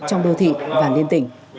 trong đô thị và liên tỉnh